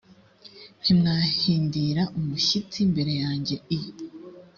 ntimwahindira umushyitsi imbere yanjye i